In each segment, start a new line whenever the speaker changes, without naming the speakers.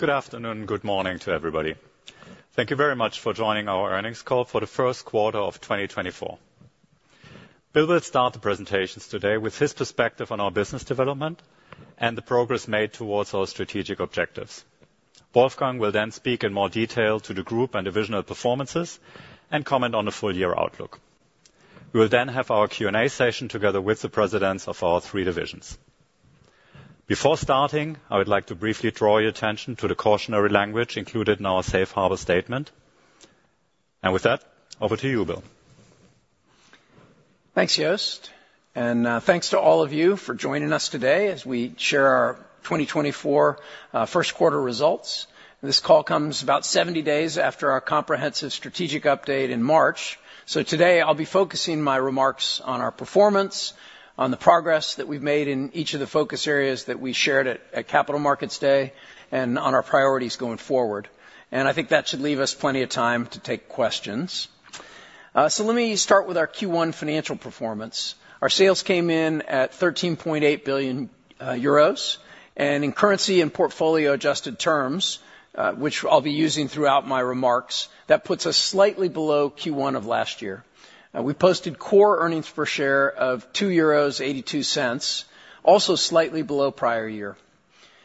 Good afternoon, good morning to everybody. Thank you very much for joining our earnings call for the first quarter of 2024. Bill will start the presentations today with his perspective on our business development and the progress made towards our strategic objectives. Wolfgang will then speak in more detail to the group and divisional performances, and comment on the full year outlook. We will then have our Q&A session together with the presidents of our three divisions. Before starting, I would like to briefly draw your attention to the cautionary language included in our safe harbor statement. With that, over to you, Bill.
Thanks, Jost, and thanks to all of you for joining us today as we share our 2024 first quarter results. This call comes about 70 days after our comprehensive strategic update in March. So today I'll be focusing my remarks on our performance, on the progress that we've made in each of the focus areas that we shared at Capital Markets Day, and on our priorities going forward. And I think that should leave us plenty of time to take questions. So let me start with our Q1 financial performance. Our sales came in at 13.8 billion euros, and in currency and portfolio adjusted terms, which I'll be using throughout my remarks, that puts us slightly below Q1 of last year. We posted core earnings per share of €2.82, also slightly below prior year.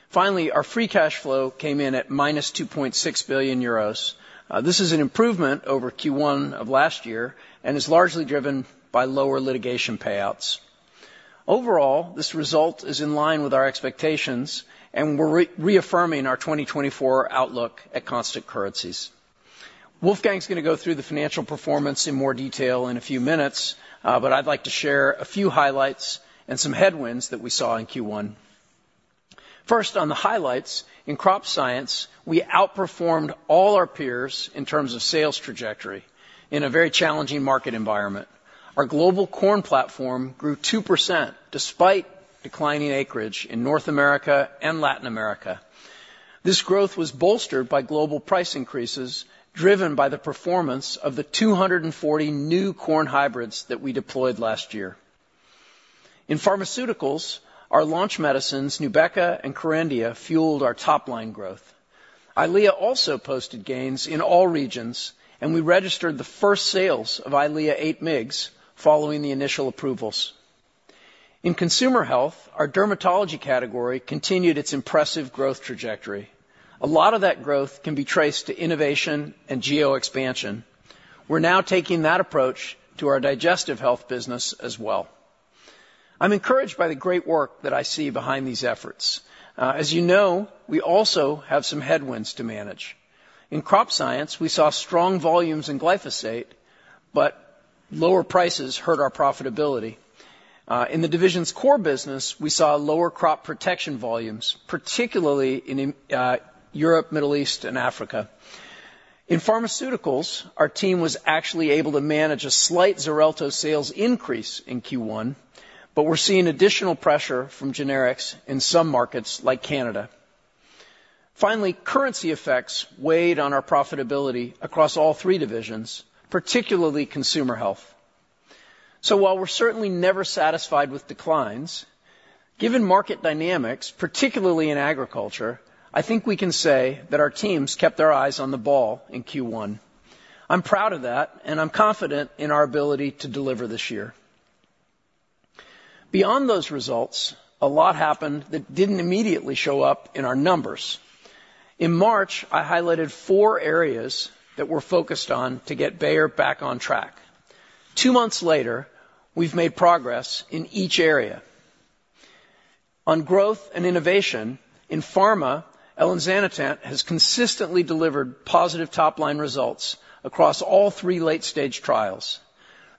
Finally, our free cash flow came in at -2.6 billion euros. This is an improvement over Q1 of last year, and is largely driven by lower litigation payouts. Overall, this result is in line with our expectations, and we're reaffirming our 2024 outlook at constant currencies. Wolfgang's gonna go through the financial performance in more detail in a few minutes, but I'd like to share a few highlights and some headwinds that we saw in Q1. First, on the highlights, in Crop Science, we outperformed all our peers in terms of sales trajectory in a very challenging market environment. Our global corn platform grew 2%, despite declining acreage in North America and Latin America. This growth was bolstered by global price increases, driven by the performance of the 240 new corn hybrids that we deployed last year. In Pharmaceuticals, our launch medicines, Nubeqa and Kerendia, fueled our top line growth. Eylea also posted gains in all regions, and we registered the first sales of Eylea 8 mg following the initial approvals. In Consumer Health, our dermatology category continued its impressive growth trajectory. A lot of that growth can be traced to innovation and geo expansion. We're now taking that approach to our digestive health business as well. I'm encouraged by the great work that I see behind these efforts. As you know, we also have some headwinds to manage. In Crop Science, we saw strong volumes in glyphosate, but lower prices hurt our profitability. In the division's core business, we saw lower crop protection volumes, particularly in Europe, Middle East, and Africa. In Pharmaceuticals, our team was actually able to manage a slight Xarelto sales increase in Q1, but we're seeing additional pressure from generics in some markets like Canada. Finally, currency effects weighed on our profitability across all three divisions, particularly Consumer Health. So while we're certainly never satisfied with declines, given market dynamics, particularly in agriculture, I think we can say that our teams kept their eyes on the ball in Q1. I'm proud of that, and I'm confident in our ability to deliver this year. Beyond those results, a lot happened that didn't immediately show up in our numbers. In March, I highlighted four areas that we're focused on to get Bayer back on track. Two months later, we've made progress in each area. On growth and innovation, in Pharma, elinzanetant has consistently delivered positive top-line results across all three late-stage trials.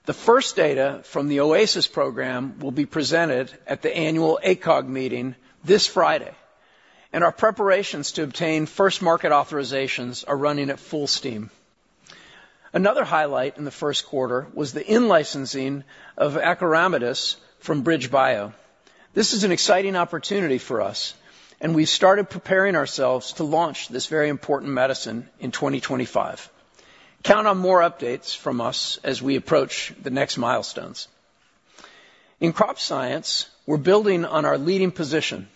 The first data from the OASIS program will be presented at the annual ACOG meeting this Friday, and our preparations to obtain first market authorizations are running at full steam. Another highlight in the first quarter was the in-licensing of acoramidis from BridgeBio. This is an exciting opportunity for us, and we started preparing ourselves to launch this very important medicine in 2025. Count on more updates from us as we approach the next milestones. In Crop Science, we're building on our leading position.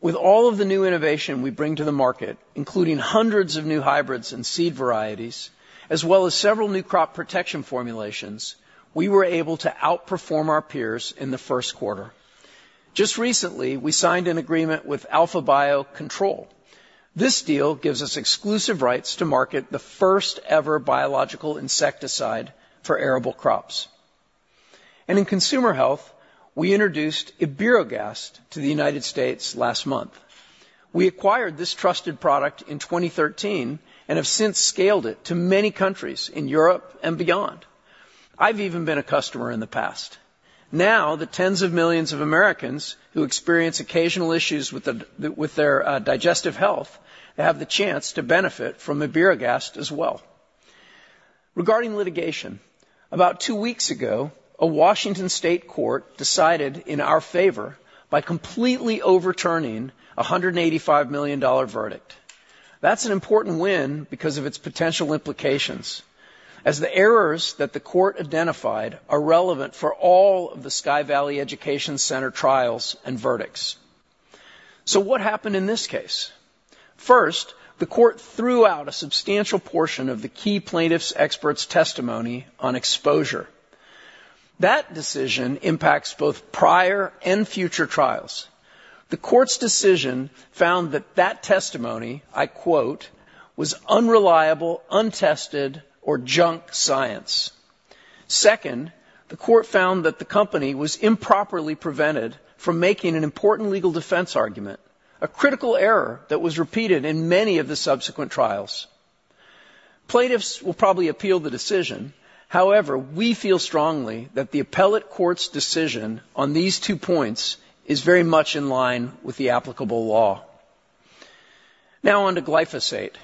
With all of the new innovation we bring to the market, including hundreds of new hybrids and seed varieties, as well as several new crop protection formulations, we were able to outperform our peers in the first quarter. Just recently, we signed an agreement with AlphaBio Control. This deal gives us exclusive rights to market the first-ever biological insecticide for arable crops. In Consumer Health, we introduced Iberogast to the United States last month. We acquired this trusted product in 2013, and have since scaled it to many countries in Europe and beyond. I've even been a customer in the past. Now, the tens of millions of Americans who experience occasional issues with their digestive health have the chance to benefit from Iberogast as well. Regarding litigation, about two weeks ago, a Washington State court decided in our favor by completely overturning a $185 million verdict. That's an important win because of its potential implications, as the errors that the court identified are relevant for all of the Sky Valley Education Center trials and verdicts. So what happened in this case? First, the court threw out a substantial portion of the key plaintiff's expert's testimony on exposure. That decision impacts both prior and future trials. The court's decision found that that testimony, I quote, "Was unreliable, untested, or junk science." Second, the court found that the company was improperly prevented from making an important legal defense argument, a critical error that was repeated in many of the subsequent trials. Plaintiffs will probably appeal the decision. However, we feel strongly that the appellate court's decision on these two points is very much in line with the applicable law. Now on to glyphosate.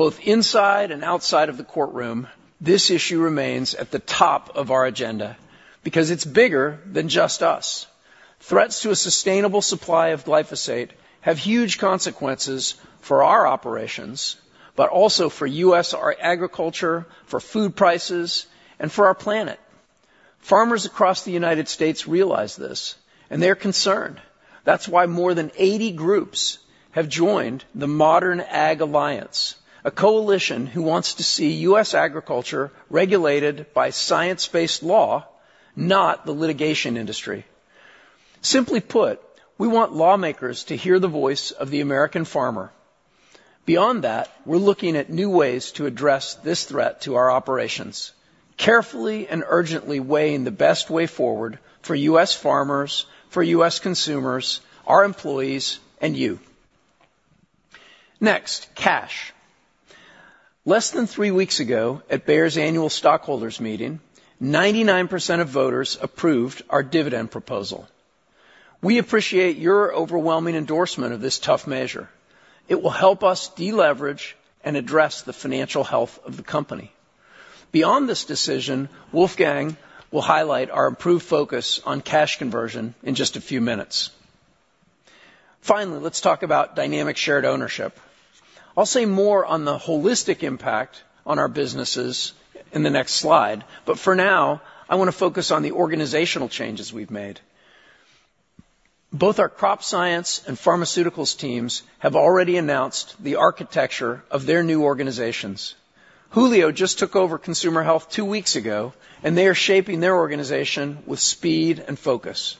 Both inside and outside of the courtroom, this issue remains at the top of our agenda because it's bigger than just us. Threats to a sustainable supply of glyphosate have huge consequences for our operations, but also for U.S. agriculture, for food prices, and for our planet. Farmers across the United States realize this, and they're concerned. That's why more than 80 groups have joined the Modern Ag Alliance, a coalition who wants to see U.S. agriculture regulated by science-based law, not the litigation industry. Simply put, we want lawmakers to hear the voice of the American farmer. Beyond that, we're looking at new ways to address this threat to our operations, carefully and urgently weighing the best way forward for U.S. farmers, for U.S. consumers, our employees, and you. Next, cash. Less than three weeks ago, at Bayer's annual stockholders meeting, 99% of voters approved our dividend proposal. We appreciate your overwhelming endorsement of this tough measure. It will help us deleverage and address the financial health of the company. Beyond this decision, Wolfgang will highlight our improved focus on cash conversion in just a few minutes. Finally, let's talk about dynamic shared ownership. I'll say more on the holistic impact on our businesses in the next slide, but for now, I want to focus on the organizational changes we've made. Both our Crop Science and Pharmaceuticals teams have already announced the architecture of their new organizations. Julio just took over Consumer Health two weeks ago, and they are shaping their organization with speed and focus.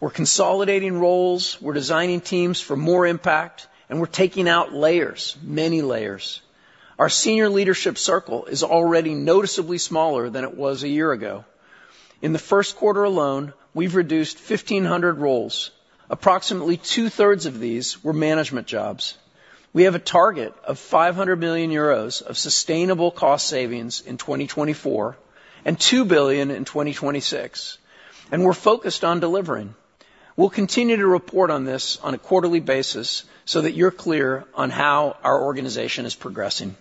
We're consolidating roles, we're designing teams for more impact, and we're taking out layers, many layers. Our senior leadership circle is already noticeably smaller than it was a year ago. In the first quarter alone, we've reduced 1,500 roles. Approximately two-thirds of these were management jobs. We have a target of 500 million euros of sustainable cost savings in 2024 and 2 billion in 2026, and we're focused on delivering. We'll continue to report on this on a quarterly basis so that you're clear on how our organization is progressing.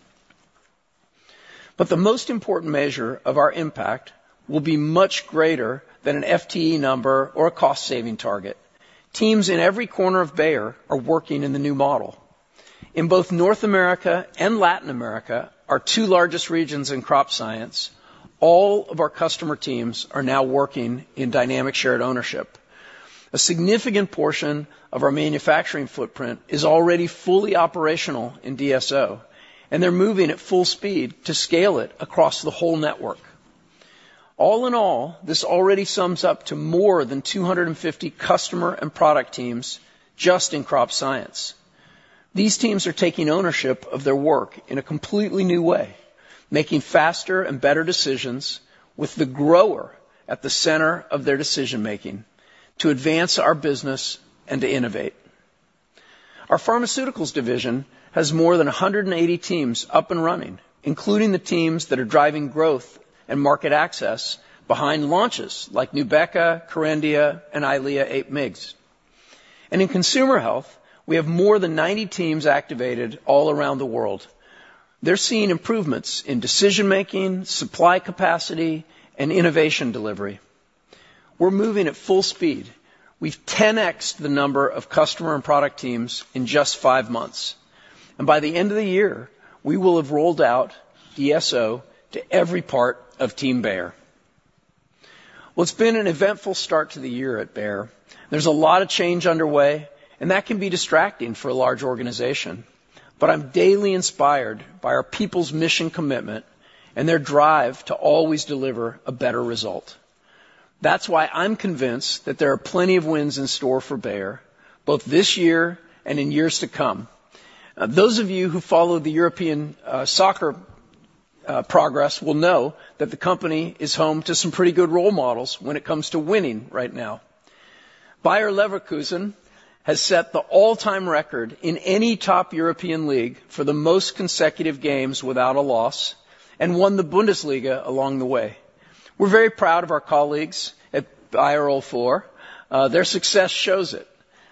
But the most important measure of our impact will be much greater than an FTE number or a cost-saving target. Teams in every corner of Bayer are working in the new model. In both North America and Latin America, our two largest regions in Crop Science, all of our customer teams are now working in dynamic shared ownership. A significant portion of our manufacturing footprint is already fully operational in DSO, and they're moving at full speed to scale it across the whole network. All in all, this already sums up to more than 250 customer and product teams just in Crop Science. These teams are taking ownership of their work in a completely new way, making faster and better decisions with the grower at the center of their decision-making to advance our business and to innovate. Our Pharmaceuticals division has more than 180 teams up and running, including the teams that are driving growth and market access behind launches like Nubeqa, Kerendia, and Eylea 8 mg. In Consumer Health, we have more than 90 teams activated all around the world. They're seeing improvements in decision-making, supply capacity, and innovation delivery. We're moving at full speed. We've 10x'd the number of customer and product teams in just five months, and by the end of the year, we will have rolled out DSO to every part of Team Bayer. Well, it's been an eventful start to the year at Bayer. There's a lot of change underway, and that can be distracting for a large organization. But I'm daily inspired by our people's mission commitment and their drive to always deliver a better result. That's why I'm convinced that there are plenty of wins in store for Bayer, both this year and in years to come. Those of you who follow the European soccer progress will know that the company is home to some pretty good role models when it comes to winning right now. Bayer 04 Leverkusen has set the all-time record in any top European league for the most consecutive games without a loss and won the Bundesliga along the way. We're very proud of our colleagues at Bayer 04. Their success shows it.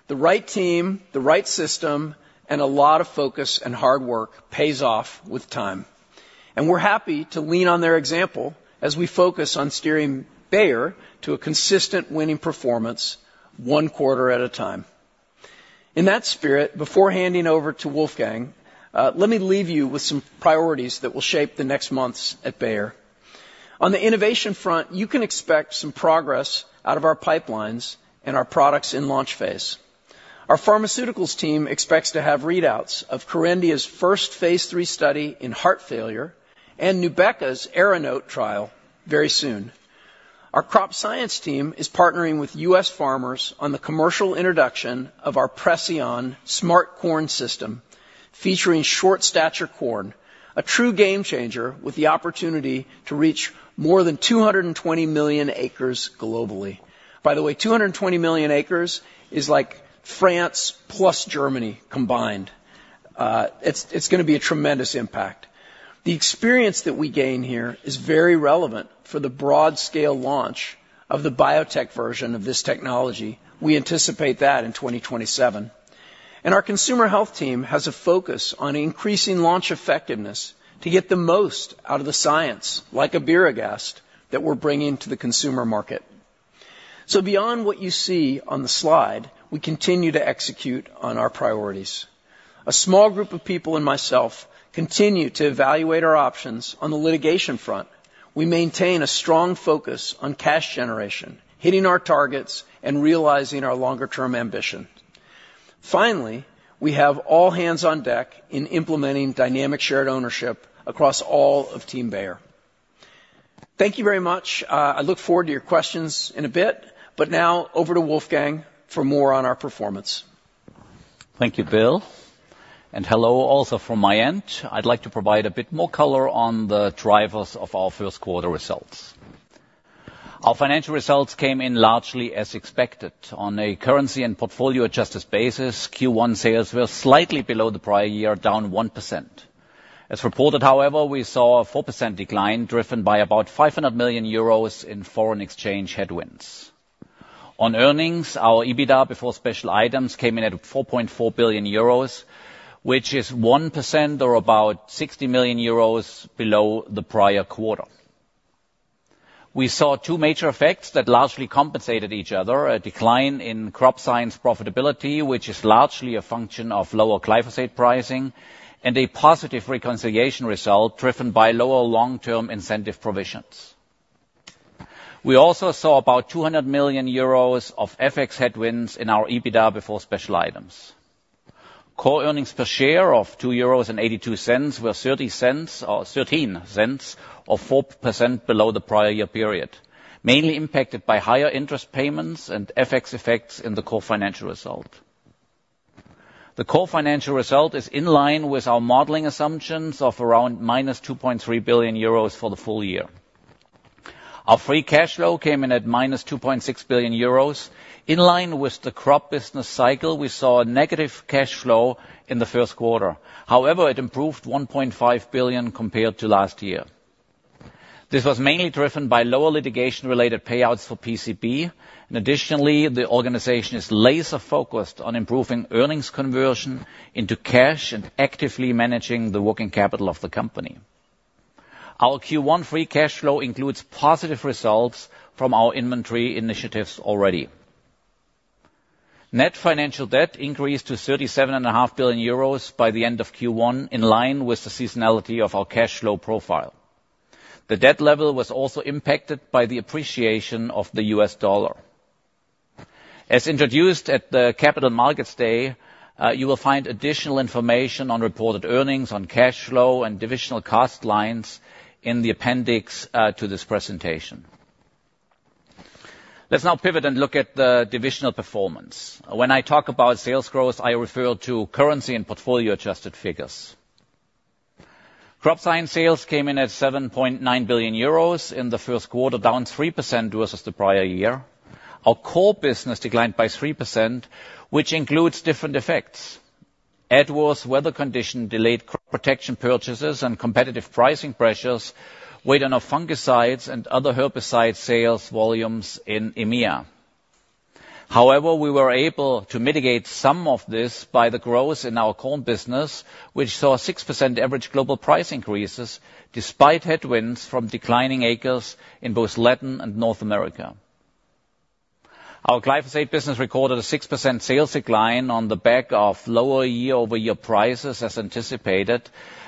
The right team, the right system, and a lot of focus and hard work pays off with time... And we're happy to lean on their example as we focus on steering Bayer to a consistent winning performance one quarter at a time. In that spirit, before handing over to Wolfgang, let me leave you with some priorities that will shape the next months at Bayer. On the innovation front, you can expect some progress out of our pipelines and our products in launch phase. Our Pharmaceuticals team expects to have readouts of Kerendia's first phase III study in heart failure and Nubeqa's ARANOTE trial very soon. Our Crop Science team is partnering with U.S. farmers on the commercial introduction of our Preceon Smart Corn System, featuring short stature corn, a true game changer with the opportunity to reach more than 220 million acres globally. By the way, 220 million acres is like France plus Germany combined. It's gonna be a tremendous impact. The experience that we gain here is very relevant for the broad scale launch of the biotech version of this technology. We anticipate that in 2027. Our Consumer Health team has a focus on increasing launch effectiveness to get the most out of the science, like Iberogast, that we're bringing to the consumer market. Beyond what you see on the slide, we continue to execute on our priorities. A small group of people and myself continue to evaluate our options on the litigation front. We maintain a strong focus on cash generation, hitting our targets, and realizing our longer-term ambition. Finally, we have all hands on deck in implementing Dynamic Shared Ownership across all of team Bayer. Thank you very much. I look forward to your questions in a bit, but now over to Wolfgang for more on our performance.
Thank you, Bill, and hello also from my end. I'd like to provide a bit more color on the drivers of our first quarter results. Our financial results came in largely as expected. On a currency and portfolio adjusted basis, Q1 sales were slightly below the prior year, down 1%. As reported, however, we saw a 4% decline driven by about 500 million euros in foreign exchange headwinds. On earnings, our EBITDA before special items came in at 4.4 billion euros, which is 1% or about 60 million euros below the prior quarter. We saw two major effects that largely compensated each other, a decline in Crop Science profitability, which is largely a function of lower glyphosate pricing, and a positive reconciliation result driven by lower long-term incentive provisions. We also saw about 200 million euros of FX headwinds in our EBITDA before special items. Core earnings per share of 2.82 euros were 0.30 or 13, or 4% below the prior year period, mainly impacted by higher interest payments and FX effects in the core financial result. The core financial result is in line with our modeling assumptions of around -2.3 billion euros for the full year. Our free cash flow came in at -2.6 billion euros. In line with the crop business cycle, we saw a negative cash flow in the first quarter. However, it improved 1.5 billion compared to last year. This was mainly driven by lower litigation-related payouts for PCB. Additionally, the organization is laser focused on improving earnings conversion into cash and actively managing the working capital of the company. Our Q1 free cash flow includes positive results from our inventory initiatives already. Net financial debt increased to 37.5 billion euros by the end of Q1, in line with the seasonality of our cash flow profile. The debt level was also impacted by the appreciation of the U.S. dollar. As introduced at the Capital Markets Day, you will find additional information on reported earnings, on cash flow, and divisional cost lines in the appendix to this presentation. Let's now pivot and look at the divisional performance. When I talk about sales growth, I refer to currency and portfolio-adjusted figures. Crop science sales came in at 7.9 billion euros in the first quarter, down 3% versus the prior year. Our core business declined by 3%, which includes different effects. Adverse weather conditions, delayed protection purchases, and competitive pricing pressures weighed on our fungicides and other herbicide sales volumes in EMEA. However, we were able to mitigate some of this by the growth in our corn business, which saw a 6% average global price increases, despite headwinds from declining acres in both Latin and North America. Our glyphosate business recorded a 6% sales decline on the back of lower year-over-year prices as anticipated.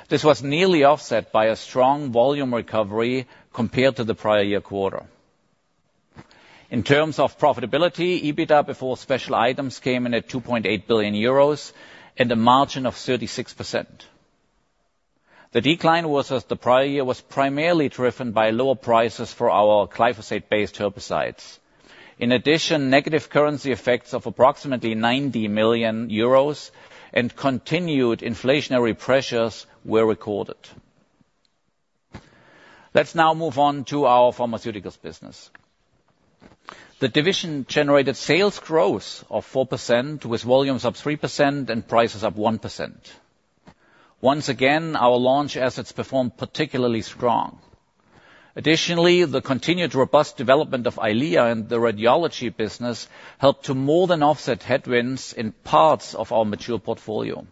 This was nearly offset by a strong volume recovery compared to the prior year quarter. In terms of profitability, EBITDA, before special items, came in at 2.8 billion euros and a margin of 36%. The decline versus the prior year was primarily driven by lower prices for our glyphosate-based herbicides. In addition, negative currency effects of approximately 90 million euros and continued inflationary pressures were recorded. Let's now move on to our Pharmaceuticals business. The division generated sales growth of 4%, with volumes up 3% and prices up 1%. Once again, our launch assets performed particularly strong. Additionally, the continued robust development of Eylea and the radiology business helped to more than offset headwinds in parts of our mature portfolio.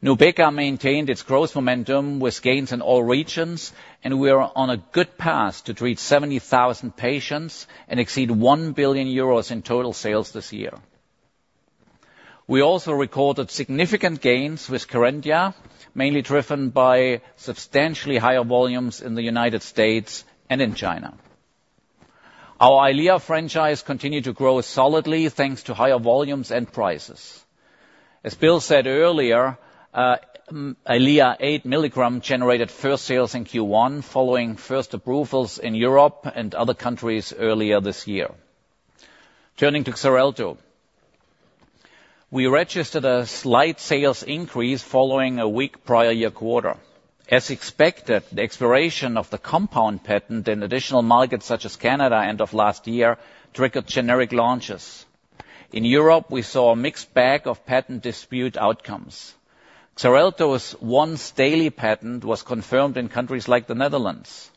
Nubeqa maintained its growth momentum with gains in all regions, and we are on a good path to treat 70,000 patients and exceed 1 billion euros in total sales this year. We also recorded significant gains with Kerendia, mainly driven by substantially higher volumes in the United States and in China. Our Eylea franchise continued to grow solidly, thanks to higher volumes and prices. As Bill said earlier, Eylea 8 mg generated first sales in Q1, following first approvals in Europe and other countries earlier this year. Turning to Xarelto, we registered a slight sales increase following a weak prior year quarter. As expected, the expiration of the compound patent in additional markets, such as Canada, end of last year, triggered generic launches. In Europe, we saw a mixed bag of patent dispute outcomes. Xarelto's once-daily patent was confirmed in countries like the Netherlands.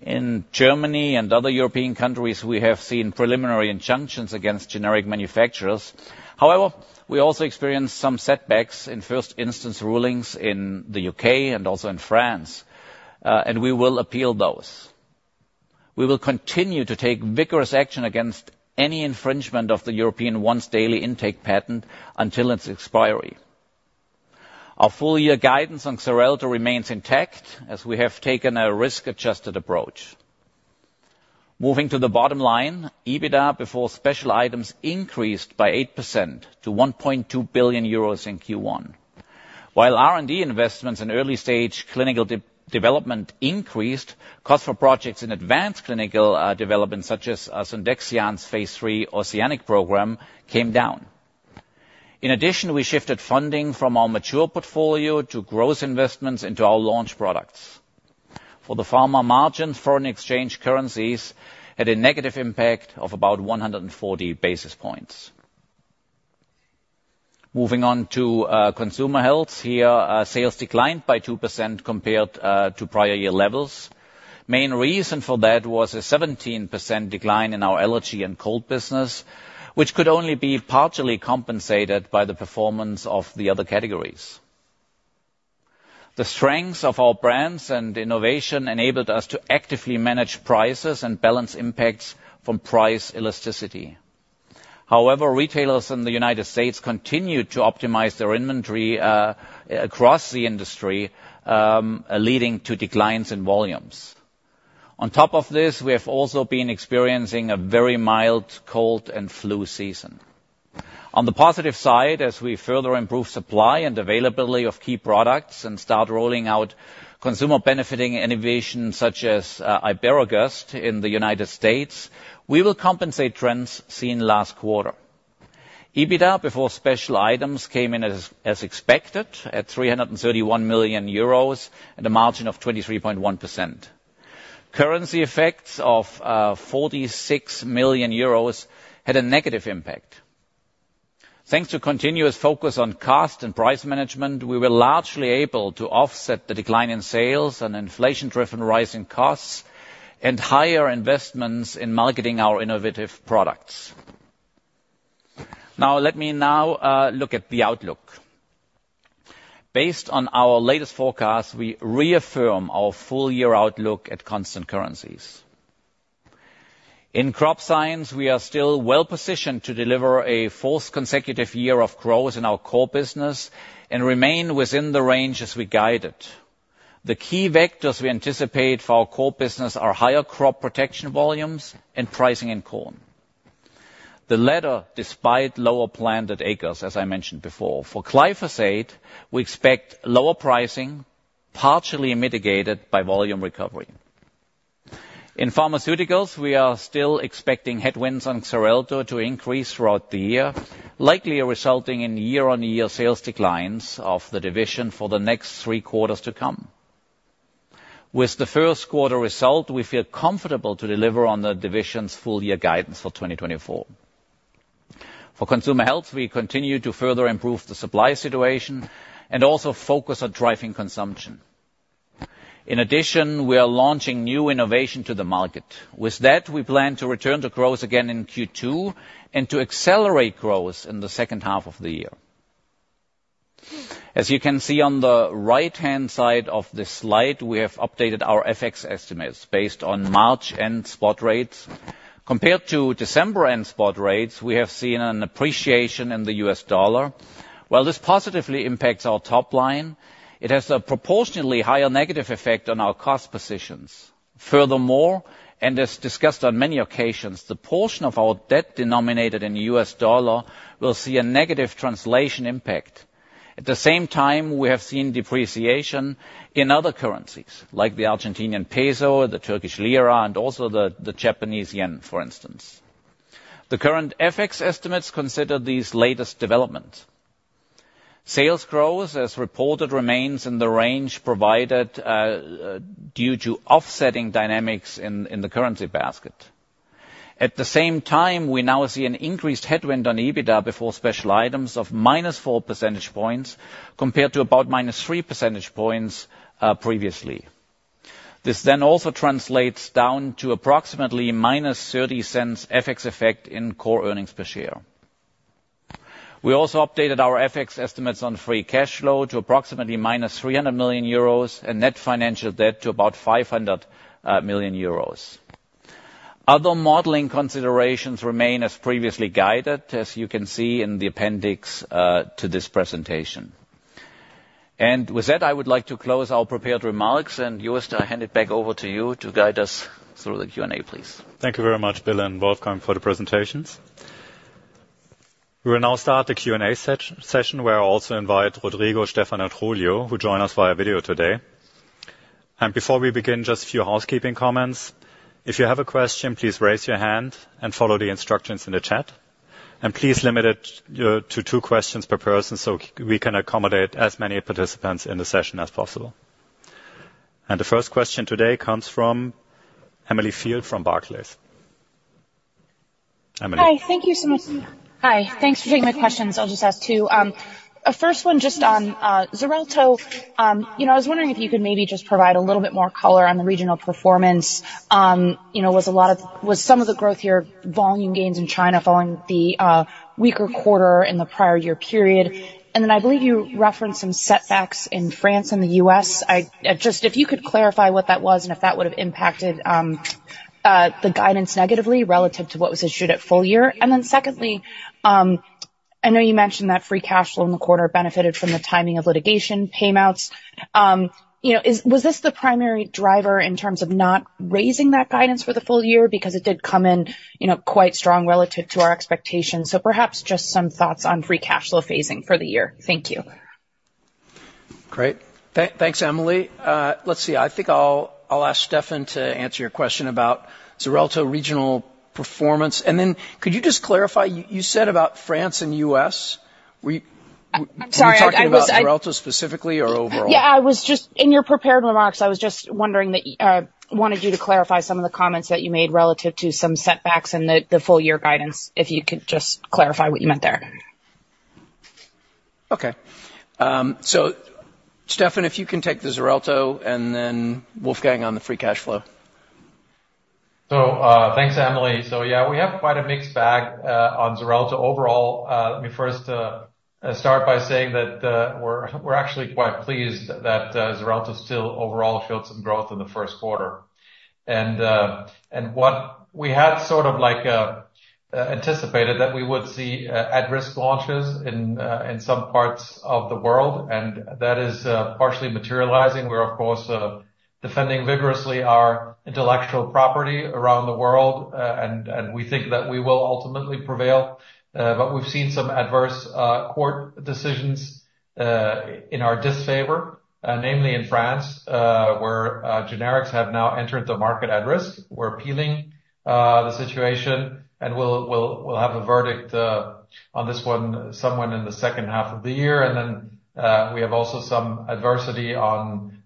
In Germany and other European countries, we have seen preliminary injunctions against generic manufacturers. However, we also experienced some setbacks in first instance rulings in the UK and also in France, and we will appeal those. We will continue to take vigorous action against any infringement of the European once daily intake patent until its expiry. Our full year guidance on Xarelto remains intact, as we have taken a risk-adjusted approach. Moving to the bottom line, EBITDA before special items increased by 8% to 1.2 billion euros in Q1. While R&D investments in early stage clinical development increased, cost for projects in advanced clinical development, such as asundexian's phase III OCEANIC program, came down. In addition, we shifted funding from our mature portfolio to growth investments into our launch products. For the Pharma margin, foreign exchange currencies had a negative impact of about 100 basis points. Moving on to Consumer Health. Here, sales declined by 2% compared to prior year levels. Main reason for that was a 17% decline in our allergy and cold business, which could only be partially compensated by the performance of the other categories. The strengths of our brands and innovation enabled us to actively manage prices and balance impacts from price elasticity. However, retailers in the United States continued to optimize their inventory across the industry, leading to declines in volumes. On top of this, we have also been experiencing a very mild cold and flu season. On the positive side, as we further improve supply and availability of key products and start rolling out consumer-benefiting innovations such as Iberogast in the United States, we will compensate trends seen last quarter. EBITDA before special items came in as expected, at 331 million euros and a margin of 23.1%. Currency effects of 46 million euros had a negative impact. Thanks to continuous focus on cost and price management, we were largely able to offset the decline in sales and inflation-driven rise in costs, and higher investments in marketing our innovative products. Now, let me now look at the outlook. Based on our latest forecast, we reaffirm our full year outlook at constant currencies. In Crop Science, we are still well positioned to deliver a fourth consecutive year of growth in our core business and remain within the range as we guided. The key vectors we anticipate for our core business are higher crop protection volumes and pricing in corn. The latter, despite lower planted acres, as I mentioned before. For glyphosate, we expect lower pricing, partially mitigated by volume recovery. In Pharmaceuticals, we are still expecting headwinds on Xarelto to increase throughout the year, likely resulting in year-on-year sales declines of the division for the next three quarters to come. With the first quarter result, we feel comfortable to deliver on the division's full year guidance for 2024. For Consumer Health, we continue to further improve the supply situation and also focus on driving consumption. In addition, we are launching new innovation to the market. With that, we plan to return to growth again in Q2 and to accelerate growth in the second half of the year. As you can see on the right-hand side of this slide, we have updated our FX estimates based on March and spot rates. Compared to December and spot rates, we have seen an appreciation in the U.S. dollar. While this positively impacts our top line, it has a proportionally higher negative effect on our cost positions. Furthermore, and as discussed on many occasions, the portion of our debt denominated in U.S. dollar will see a negative translation impact. At the same time, we have seen depreciation in other currencies, like the Argentine peso, the Turkish lira, and also the Japanese yen, for instance. The current FX estimates consider these latest developments. Sales growth, as reported, remains in the range provided, due to offsetting dynamics in the currency basket. At the same time, we now see an increased headwind on EBITDA before special items of minus four percentage points, compared to about minus three percentage points, previously. This then also translates down to approximately -0.30 FX effect in core earnings per share. We also updated our FX estimates on free cash flow to approximately minus 300 million euros and net financial debt to about 500 million euros. Other modeling considerations remain as previously guided, as you can see in the appendix to this presentation. With that, I would like to close our prepared remarks, and Jost, I hand it back over to you to guide us through the Q&A, please.
Thank you very much, Bill and Wolfgang, for the presentations. We will now start the Q&A session, where I also invite Rodrigo, Stefan, and Julio, who join us via video today. Before we begin, just a few housekeeping comments. If you have a question, please raise your hand and follow the instructions in the chat. Please limit it to two questions per person, so we can accommodate as many participants in the session as possible. The first question today comes from Emily Field, from Barclays. Emily?
Hi, thank you so much. Hi, thanks for taking my questions. I'll just ask two. A first one, just on Xarelto. You know, I was wondering if you could maybe just provide a little bit more color on the regional performance. You know, was some of the growth here volume gains in China following the weaker quarter in the prior year period? And then, I believe you referenced some setbacks in France and the U.S. I just if you could clarify what that was, and if that would have impacted the guidance negatively relative to what was issued at full year. And then secondly, I know you mentioned that free cash flow in the quarter benefited from the timing of litigation payouts. You know, was this the primary driver in terms of not raising that guidance for the full year? Because it did come in, you know, quite strong relative to our expectations. So perhaps just some thoughts on free cash flow phasing for the year. Thank you.
Great. Thanks, Emily. Let's see. I think I'll ask Stefan to answer your question about Xarelto regional performance. And then could you just clarify, you said about France and U.S., we-
I'm sorry.
Were you talking about Xarelto specifically or overall?
Yeah, I was just... In your prepared remarks, I was just wondering that, wanted you to clarify some of the comments that you made relative to some setbacks in the full year guidance, if you could just clarify what you meant there?
Okay, so Stefan, if you can take the Xarelto and then Wolfgang on the free cash flow.
So, thanks, Emily. So yeah, we have quite a mixed bag on Xarelto overall. Let me first start by saying that we're actually quite pleased that Xarelto still overall showed some growth in the first quarter. And what we had sort of like anticipated that we would see at-risk launches in some parts of the world, and that is partially materializing. We're of course defending vigorously our intellectual property around the world, and we think that we will ultimately prevail. But we've seen some adverse court decisions in our disfavor, namely in France, where generics have now entered the market at risk. We're appealing the situation, and we'll have a verdict on this one somewhere in the second half of the year. We have also some adversity on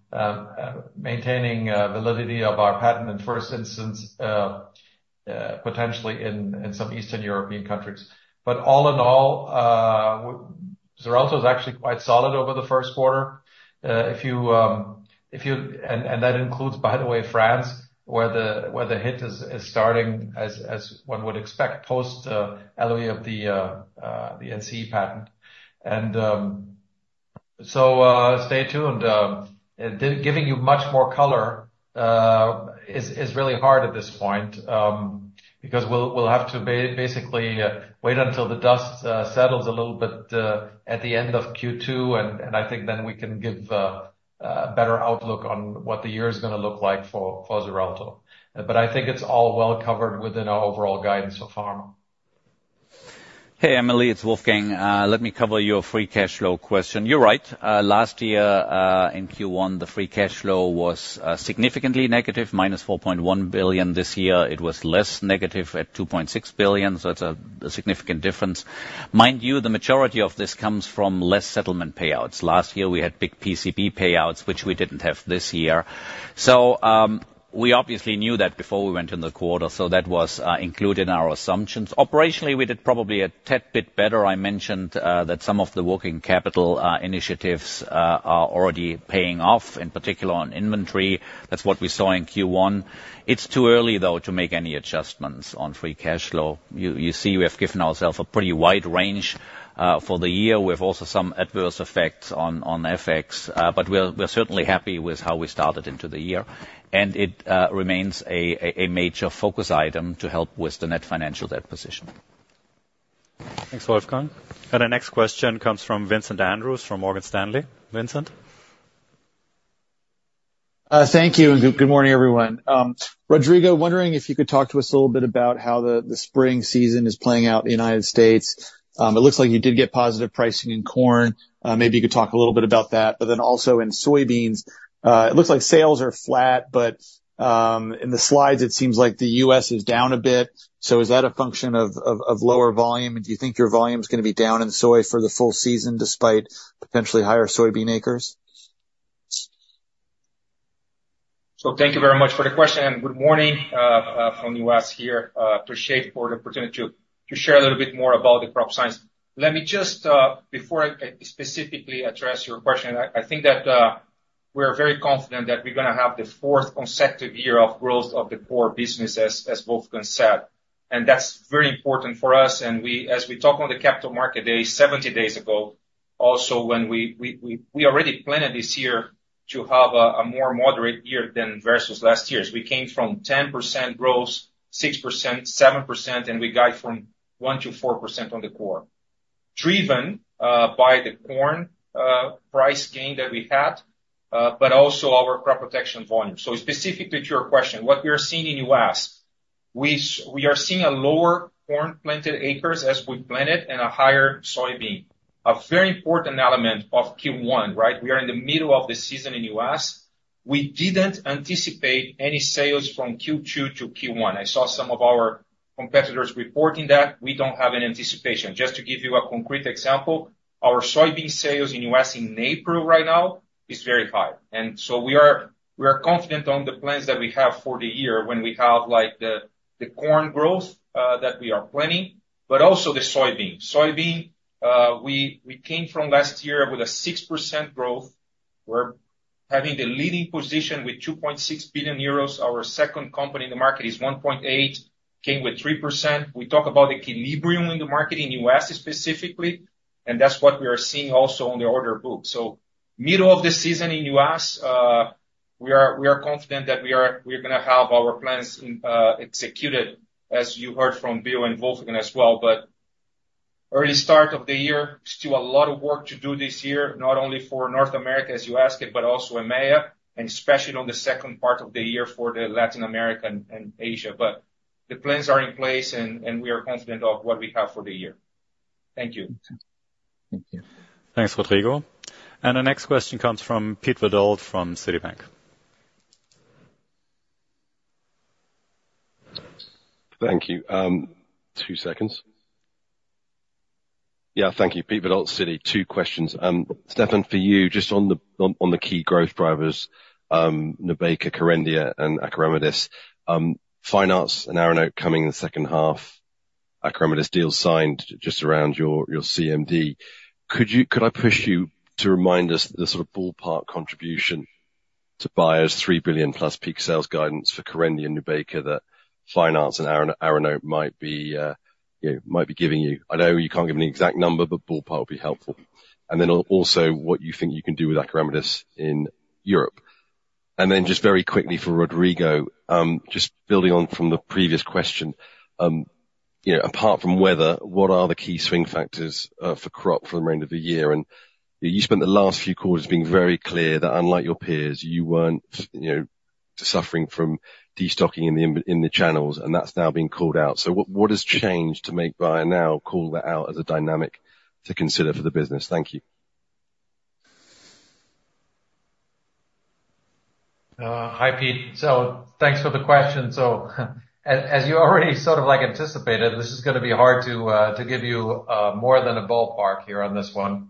maintaining validity of our patent in the first instance, potentially in some Eastern European countries. But all in all, Xarelto is actually quite solid over the first quarter. And that includes, by the way, France, where the hit is starting, as one would expect, post LOE of the NCE patent. So stay tuned. Giving you much more color is really hard at this point, because we'll have to basically wait until the dust settles a little bit at the end of Q2, and I think then we can give a better outlook on what the year is gonna look like for Xarelto. I think it's all well covered within our overall guidance of Pharma.
Hey, Emily, it's Wolfgang. Let me cover your free cash flow question. You're right. Last year, in Q1, the free cash flow was significantly negative, -4.1 billion. This year, it was less negative at -2.6 billion, so that's a significant difference. Mind you, the majority of this comes from less settlement payouts. Last year, we had big PCB payouts, which we didn't have this year. So, we obviously knew that before we went in the quarter, so that was included in our assumptions. Operationally, we did probably a tad bit better. I mentioned that some of the working capital initiatives are already paying off, in particular on inventory. That's what we saw in Q1. It's too early, though, to make any adjustments on free cash flow. You see we have given ourselves a pretty wide range for the year, with also some adverse effects on FX. But we're certainly happy with how we started into the year, and it remains a major focus item to help with the net financial debt position.
Thanks, Wolfgang. Our next question comes from Vincent Andrews, from Morgan Stanley. Vincent?
Thank you. Good morning, everyone. Rodrigo, wondering if you could talk to us a little bit about how the spring season is playing out in the United States. It looks like you did get positive pricing in corn. Maybe you could talk a little bit about that. But then also in soybeans, it looks like sales are flat, but in the slides, it seems like the U.S. is down a bit. So is that a function of lower volume? And do you think your volume is gonna be down in soy for the full season, despite potentially higher soybean acres?...
So thank you very much for the question, and good morning, from U.S. here. Appreciate for the opportunity to share a little bit more about the Crop Science. Let me just, before I specifically address your question, I think that, we are very confident that we're gonna have the fourth consecutive year of growth of the core business as, Wolfgang said, and that's very important for us. And we as we talk on the Capital Market Day, 70 days ago, also, when we already planned this year to have a more moderate year than versus last year's. We came from 10% growth, 6%, 7%, and we guide from 1%-4% on the core. Driven, by the corn, price gain that we had, but also our crop protection volume. So specifically to your question, what we are seeing in U.S., we are seeing a lower corn planted acres as we planned it, and a higher soybean. A very important element of Q1, right? We are in the middle of the season in U.S. We didn't anticipate any sales from Q2-Q1. I saw some of our competitors reporting that. We don't have any anticipation. Just to give you a concrete example, our soybean sales in U.S. in April right now is very high. And so we are confident on the plans that we have for the year when we have, like, the corn growth that we are planning, but also the soybean. Soybean, we came from last year with a 6% growth. We're having the leading position with 2.6 billion euros. Our second company in the market is 1.8, came with 3%. We talk about equilibrium in the market, in U.S. specifically, and that's what we are seeing also on the order book. So middle of the season in U.S., we are confident that we're gonna have our plans executed, as you heard from Bill and Wolfgang as well. But early start of the year, still a lot of work to do this year, not only for North America, as you asked it, but also EMEA, and especially on the second part of the year for the Latin America and Asia. But the plans are in place, and we are confident of what we have for the year. Thank you.
Thank you.
Thanks, Rodrigo. The next question comes from Peter Verdult from Citi.
Thank you, two seconds. Yeah, thank you. Peter Verdult, Citi. Two questions. Stefan, for you, just on the key growth drivers, Nubeqa, Kerendia, and acoramidis. Finerenone and ARANOTE coming in the second half, acoramidis deal signed just around your CMD. Could I push you to remind us the sort of ballpark contribution to Bayer's 3 billion plus peak sales guidance for Kerendia and Nubeqa that finerenone and ARANOTE might be, you know, might be giving you? I know you can't give me an exact number, but ballpark would be helpful. And then also, what you think you can do with acoramidis in Europe. And then just very quickly for Rodrigo, just building on from the previous question, you know, apart from weather, what are the key swing factors for crop for the remainder of the year? And you spent the last few quarters being very clear that unlike your peers, you weren't, you know, suffering from destocking in the channels, and that's now been called out. So what has changed to make Bayer now call that out as a dynamic to consider for the business? Thank you.
Hi, Pete. So thanks for the question. So as, as you already sort of like anticipated, this is gonna be hard to, to give you, more than a ballpark here on this one.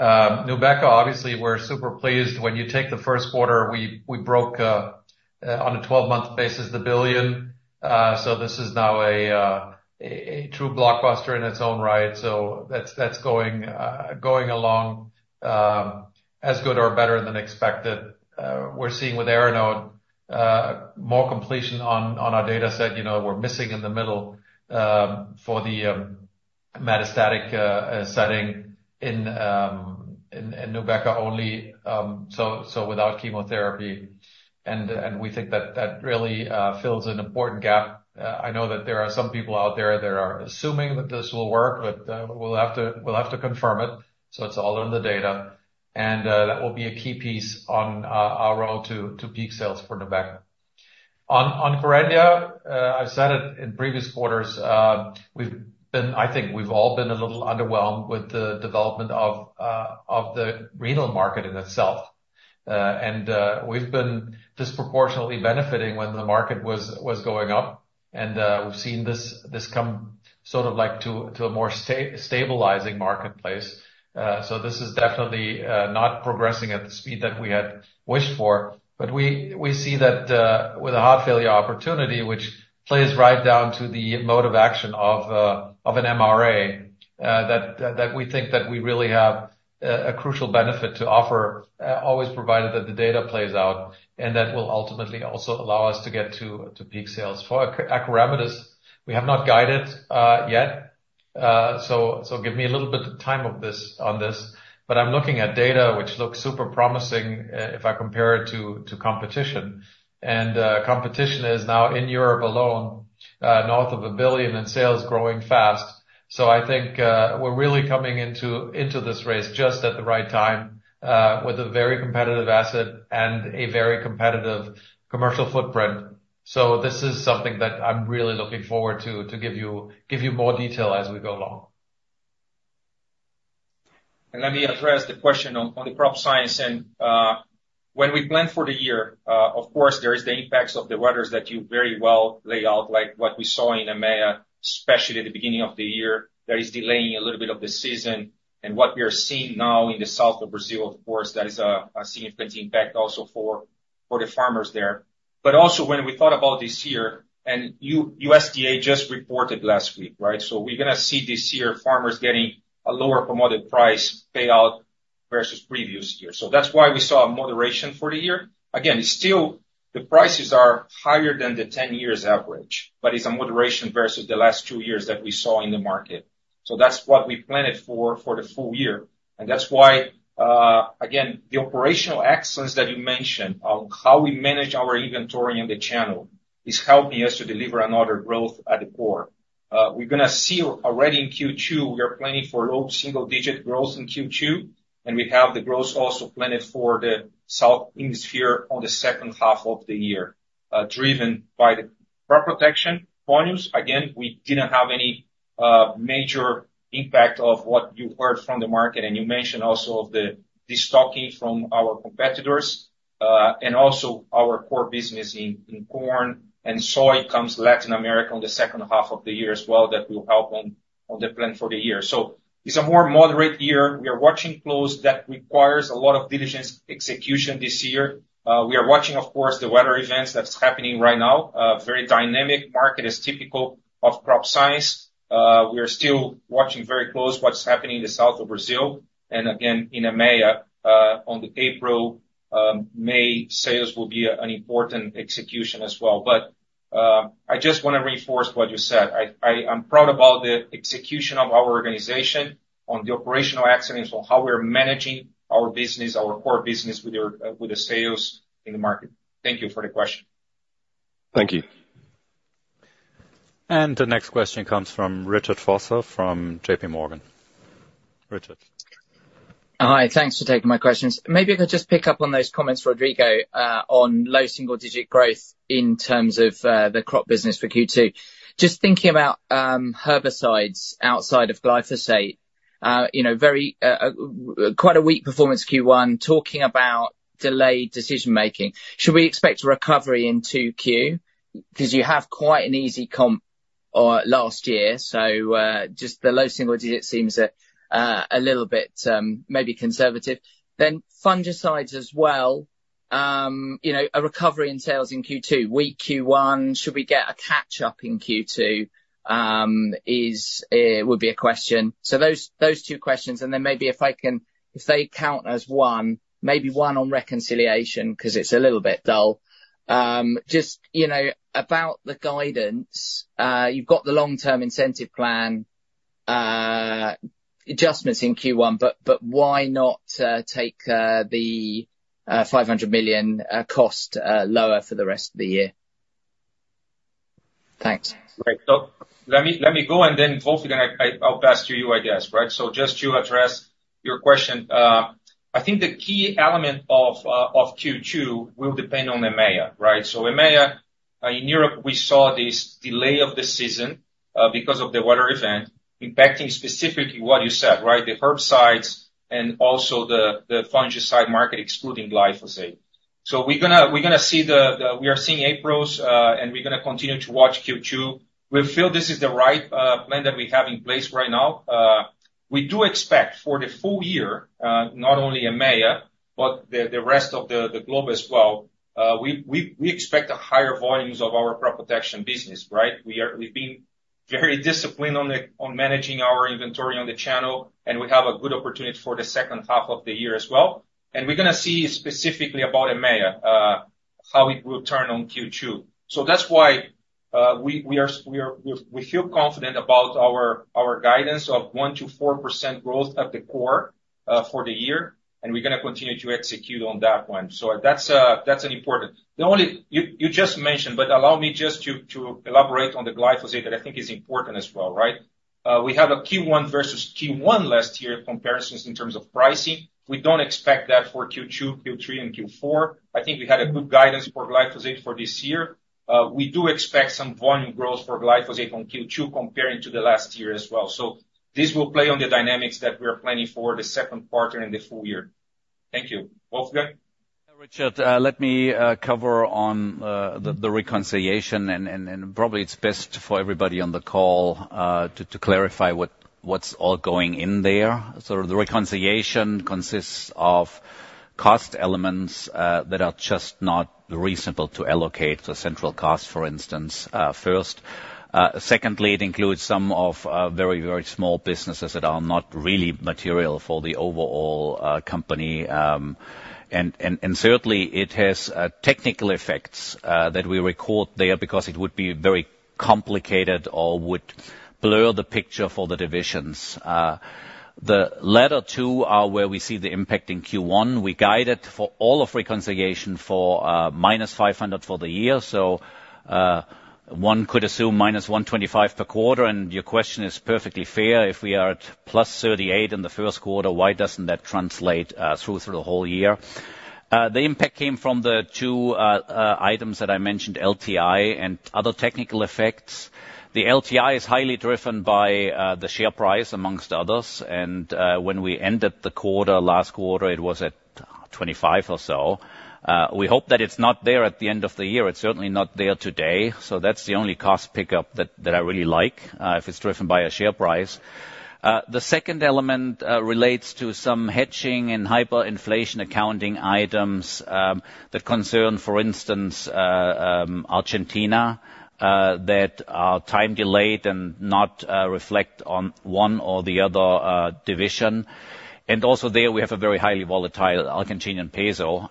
Nubeqa, obviously, we're super pleased. When you take the first quarter, we, we broke, on a 12 month basis, 1 billion. So this is now a, a, a true blockbuster in its own right. So that's, that's going, going along, as good or better than expected. We're seeing with ARANOTE, more completion on, on our data set. You know, we're missing in the middle, for the, metastatic, setting in, in, in Nubeqa only, so, so without chemotherapy, and, and we think that that really, fills an important gap. I know that there are some people out there that are assuming that this will work, but we'll have to, we'll have to confirm it, so it's all in the data. That will be a key piece on our road to peak sales for Nubeqa. On Kerendia, I've said it in previous quarters, we've been—I think we've all been a little underwhelmed with the development of the renal market in itself. We've been disproportionately benefiting when the market was going up, and we've seen this come sort of like to a more stabilizing marketplace. So this is definitely not progressing at the speed that we had wished for, but we see that with a heart failure opportunity, which plays right down to the mode of action of an MRA, that we think that we really have a crucial benefit to offer, always provided that the data plays out, and that will ultimately also allow us to get to peak sales. For acoramidis, we have not guided yet, so give me a little bit of time on this, but I'm looking at data which looks super promising, if I compare it to competition. And competition is now in Europe alone north of 1 billion in sales, growing fast. So I think we're really coming into this race just at the right time with a very competitive asset and a very competitive commercial footprint. So this is something that I'm really looking forward to give you more detail as we go along.
And let me address the question on the Crop Science and when we plan for the year, of course, there is the impacts of the weather that you very well lay out, like what we saw in EMEA, especially at the beginning of the year, that is delaying a little bit of the season. And what we are seeing now—now in the south of Brazil, of course, that is a significant impact also for the farmers there. But also, when we thought about this year, and USDA just reported last week, right? So we're gonna see this year farmers getting a lower commodity price payout versus previous year. So that's why we saw a moderation for the year. Again, still, the prices are higher than the 10 year average, but it's a moderation versus the last two years that we saw in the market. So that's what we planned for, for the full year, and that's why, again, the operational excellence that you mentioned on how we manage our inventory in the channel is helping us to deliver another growth at the core. We're gonna see already in Q2, we are planning for low double single-digit growth in Q2, and we have the growth also planned for the Southern Hemisphere on the second half of the year, driven by the crop protection volumes. Again, we didn't have any major impact of what you heard from the market, and you mentioned also of the stocking from our competitors, and also our core business in corn and soy comes Latin America on the second half of the year as well. That will help on the plan for the year. So it's a more moderate year. We are watching close. That requires a lot of diligence execution this year. We are watching, of course, the weather events that's happening right now, a very dynamic market as typical of Crop Science. We are still watching very close what's happening in the south of Brazil and again, in EMEA, on the April, May sales will be an important execution as well. But, I just wanna reinforce what you said. I'm proud about the execution of our organization, on the operational excellence, on how we are managing our business, our core business with the, with the sales in the market. Thank you for the question.
Thank you.
The next question comes from Richard Vosser from J.P. Morgan. Richard?
Hi, thanks for taking my questions. Maybe if I could just pick up on those comments, Rodrigo, on low single-digit growth in terms of the crop business for Q2. Just thinking about herbicides outside of glyphosate, you know, very quite a weak performance Q1, talking about delayed decision making. Should we expect a recovery in 2Q? Because you have quite an easy comp last year, so just the low single digit seems a little bit maybe conservative. Then fungicides as well, you know, a recovery in sales in Q2, weak Q1, should we get a catch up in Q2? Is would be a question. So those, those two questions, and then maybe if I can if they count as one, maybe one on reconciliation, 'cause it's a little bit dull. Just, you know, about the guidance, you've got the long-term incentive plan adjustments in Q1, but why not take the 500 million cost lower for the rest of the year? Thanks.
Great. So let me, let me go, and then, Wolfgang, I, I, I'll pass to you, I guess, right? So just to address your question, I think the key element of Q2 will depend on EMEA, right? So EMEA in Europe, we saw this delay of the season because of the weather event, impacting specifically what you said, right? The herbicides and also the fungicide market, excluding glyphosate. So we're gonna, we're gonna see the we are seeing Aprils, and we're gonna continue to watch Q2. We feel this is the right plan that we have in place right now. We do expect for the full year, not only EMEA, but the rest of the globe as well, we expect a higher volumes of our crop protection business, right? We've been very disciplined on managing our inventory on the channel, and we have a good opportunity for the second half of the year as well. And we're gonna see specifically about EMEA, how it will turn on Q2. So that's why we feel confident about our guidance of 1%-4% growth at the core for the year, and we're gonna continue to execute on that one. So that's an important. You just mentioned, but allow me just to elaborate on the glyphosate, that I think is important as well, right? We have a Q1 versus Q1 last year comparisons in terms of pricing. We don't expect that for Q2, Q3, and Q4. I think we had a good guidance for glyphosate for this year. We do expect some volume growth for glyphosate on Q2 comparing to the last year as well. So this will play on the dynamics that we are planning for the second quarter and the full year. Thank you. Wolfgang?
Richard, let me cover on the reconciliation, and probably it's best for everybody on the call to clarify what's all going in there. So the reconciliation consists of cost elements that are just not reasonable to allocate to central cost, for instance, first. Secondly, it includes some of very, very small businesses that are not really material for the overall company, and certainly, it has technical effects that we record there, because it would be very complicated or would blur the picture for the divisions. The latter two are where we see the impact in Q1. We guided for all of reconciliation for -500 for the year, so one could assume -125 per quarter, and your question is perfectly fair. If we are at +38 in the first quarter, why doesn't that translate through to the whole year? The impact came from the two items that I mentioned, LTI and other technical effects. The LTI is highly driven by the share price, among others, and when we ended the quarter, last quarter, it was at 100-... 25 or so. We hope that it's not there at the end of the year. It's certainly not there today, so that's the only cost pickup that, that I really like if it's driven by a share price. The second element relates to some hedging and hyperinflation accounting items that concern, for instance, Argentina, that are time delayed and not reflect on one or the other division. And also there, we have a very highly volatile Argentinean peso.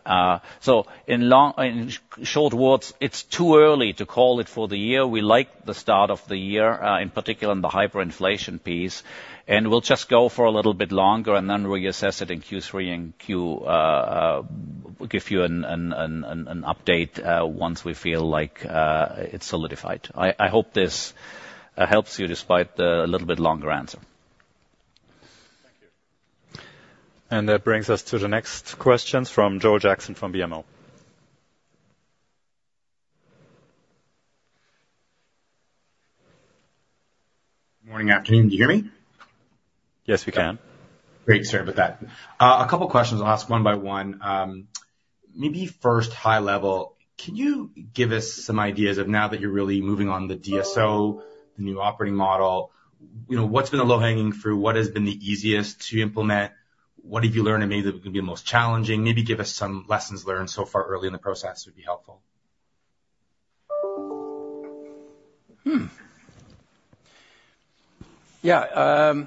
So in short words, it's too early to call it for the year. We like the start of the year, in particular in the hyperinflation piece, and we'll just go for a little bit longer, and then reassess it in Q3 and Q, we'll give you an update, once we feel like it's solidified. I hope this helps you despite the a little bit longer answer.
Thank you.
That brings us to the next question from Joel Jackson, from BMO.
Morning, afternoon. Do you hear me?
Yes, we can.
Great, sorry about that. A couple questions I'll ask one by one. Maybe first, high level, can you give us some ideas of now that you're really moving on the DSO, the new operating model, you know, what's been a low-hanging fruit? What has been the easiest to implement? What have you learned that maybe the most challenging? Maybe give us some lessons learned so far early in the process would be helpful.
Hmm. Yeah,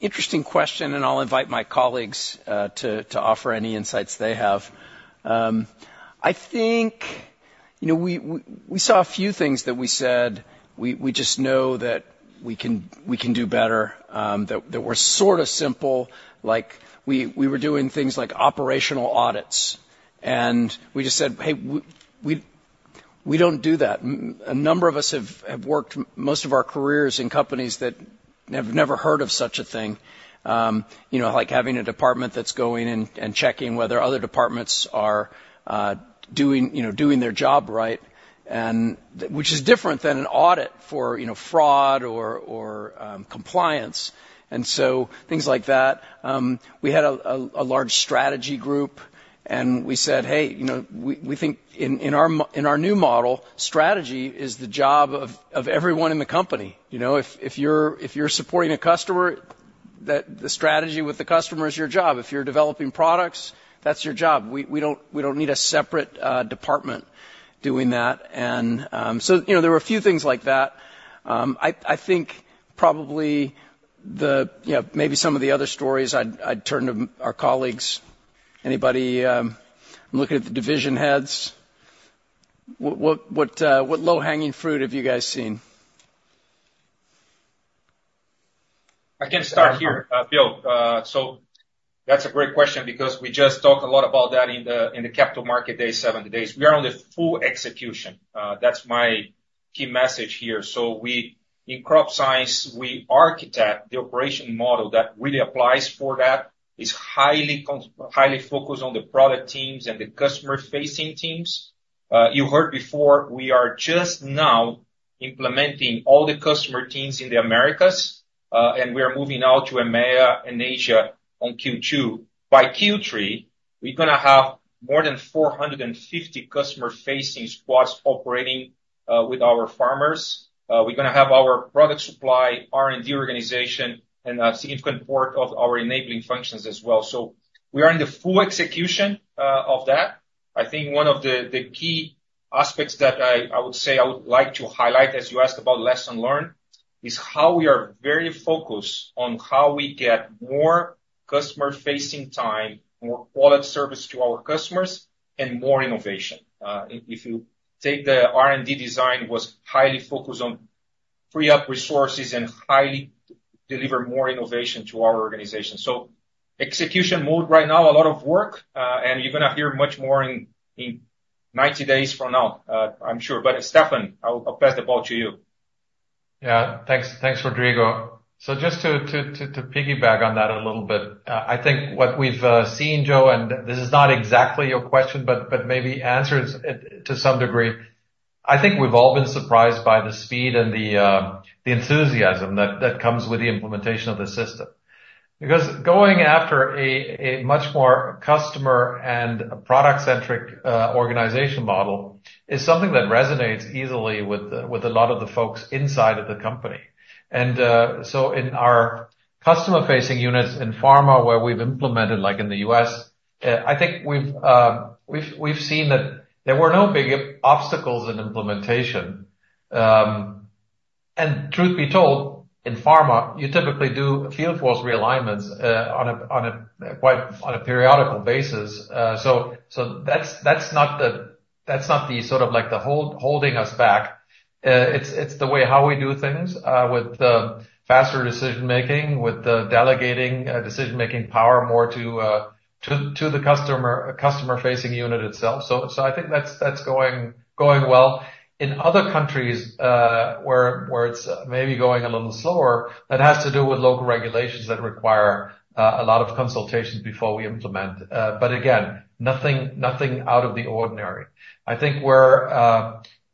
interesting question, and I'll invite my colleagues to offer any insights they have. I think, you know, we saw a few things that we said we just know that we can do better, that were sort of simple, like we were doing things like operational audits, and we just said, "Hey, we don't do that." A number of us have worked most of our careers in companies that have never heard of such a thing, you know, like having a department that's going and checking whether other departments are doing, you know, doing their job right, and which is different than an audit for, you know, fraud or compliance. So things like that. We had a large strategy group, and we said, "Hey, you know, we think in our new model, strategy is the job of everyone in the company." You know, if you're supporting a customer, that the strategy with the customer is your job. If you're developing products, that's your job. We don't need a separate department doing that. And so, you know, there were a few things like that. I think probably, you know, maybe some of the other stories I'd turn to our colleagues. Anybody, I'm looking at the division heads. What low-hanging fruit have you guys seen?
I can start here, Bill. So that's a great question because we just talked a lot about that in the capital market day, 70 days. We are on the full execution. That's my key message here. So we, in Crop Science, we architect the operating model that really applies for that, is highly focused on the product teams and the customer-facing teams. You heard before, we are just now implementing all the customer teams in the Americas, and we are moving out to EMEA and Asia on Q2. By Q3, we're gonna have more than 450 customer-facing squads operating with our farmers. We're gonna have our Product Supply, R&D organization, and a significant part of our Enabling Functions as well. So we are in the full execution of that. I think one of the the key aspects that I would say I would like to highlight, as you asked about lesson learned, is how we are very focused on how we get more customer-facing time, more quality service to our customers, and more innovation. If you take the R&D design was highly focused on free up resources and highly deliver more innovation to our organization. So execution mode right now, a lot of work, and you're gonna hear much more in 90 days from now, I'm sure. But Stefan, I'll pass the ball to you.
Yeah. Thanks. Thanks, Rodrigo. So just to piggyback on that a little bit, I think what we've seen, Joe, and this is not exactly your question, but maybe answers it to some degree. I think we've all been surprised by the speed and the enthusiasm that comes with the implementation of the system. Because going after a much more customer and product-centric organization model is something that resonates easily with a lot of the folks inside of the company. And so in our Customer-Facing Units in Pharma, where we've implemented, like in the U.S., I think we've seen that there were no big obstacles in implementation. And truth be told, in Pharma, you typically do field force realignments on a quite periodical basis. So, that's not the sort of like the holding us back. It's the way how we do things, with the faster decision-making, with the delegating decision-making power more to the Customer-Facing Unit itself. So, I think that's going well. In other countries, where it's maybe going a little slower, that has to do with local regulations that require a lot of consultations before we implement. But again, nothing out of the ordinary. I think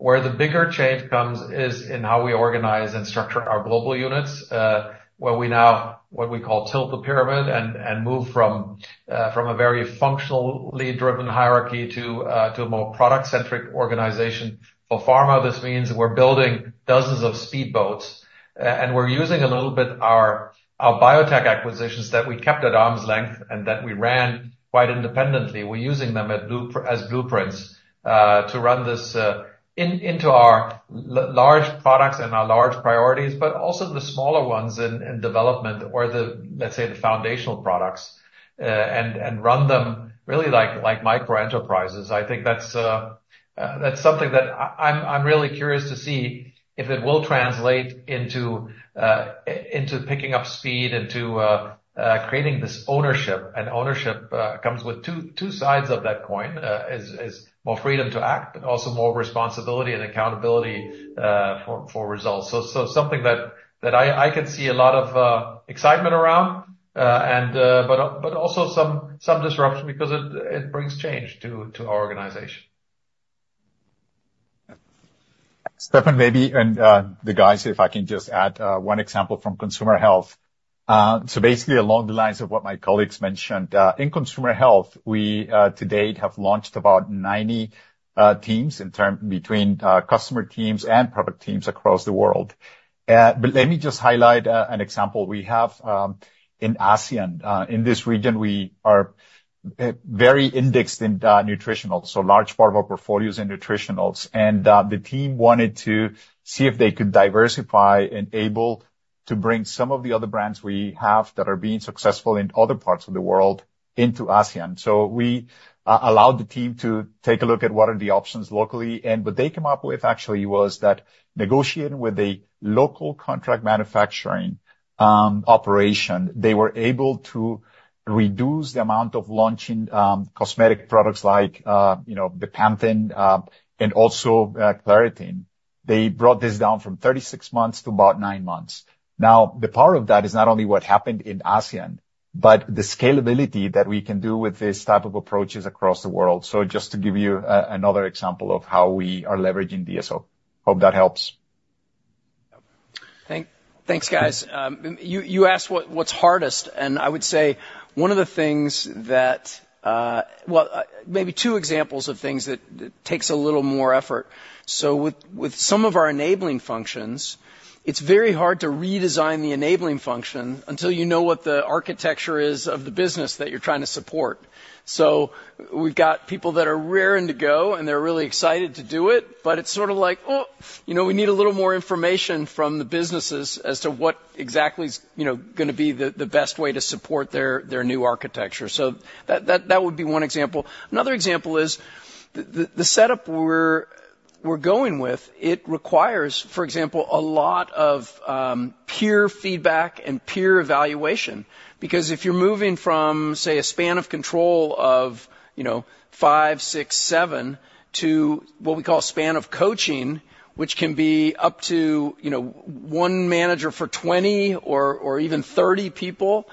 where the bigger change comes is in how we organize and structure our global units, where we now what we call tilt the pyramid, and move from a very functionally driven hierarchy to a more product-centric organization. For Pharma, this means we're building dozens of speedboats, and we're using a little bit our biotech acquisitions that we kept at arm's length and that we ran quite independently. We're using them as blueprints to run this into our large products and our large priorities, but also the smaller ones in development or, let's say, the foundational products, and run them really like micro-enterprises. I think that's something that I'm really curious to see if it will translate into picking up speed, into creating this ownership. And ownership comes with two sides of that coin, is more freedom to act, but also more responsibility and accountability for results. So, something that I could see a lot of excitement around, but also some disruption because it brings change to our organization.
Stefan, maybe, and the guys, if I can just add one example from Consumer Health. So basically, along the lines of what my colleagues mentioned, in Consumer Health, we to date have launched about 90 teams between customer teams and product teams across the world. But let me just highlight an example we have in ASEAN. In this region, we are very indexed in nutritional, so large part of our portfolio is in nutritionals, and the team wanted to see if they could diversify and able to bring some of the other brands we have that are being successful in other parts of the world into ASEAN. So we allowed the team to take a look at what are the options locally, and what they come up with actually was that negotiating with a local contract manufacturing operation, they were able to reduce the amount of launching cosmetic products like you know the Bepanthen and also Claritin. They brought this down from 36 months to about 9 months. Now, the power of that is not only what happened in ASEAN, but the scalability that we can do with this type of approaches across the world. So just to give you another example of how we are leveraging DSO. Hope that helps.
Thanks, guys. You asked what’s hardest, and I would say one of the things that maybe two examples of things that takes a little more effort. So with some of our Enabling Functions, it’s very hard to redesign the enabling function until you know what the architecture is of the business that you’re trying to support. So we’ve got people that are raring to go, and they’re really excited to do it, but it’s sort of like, oh, you know, we need a little more information from the businesses as to what exactly is, you know, gonna be the best way to support their new architecture. So that would be one example. Another example is the setup we're going with. It requires, for example, a lot of peer feedback and peer evaluation, because if you're moving from, say, a span of control of, you know, five, six, seven, to what we call a span of coaching, which can be up to, you know, one manager for 20 people or even 30 people,